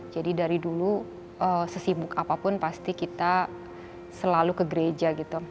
jadi dari dulu sesibuk apapun pasti kita selalu ke gereja gitu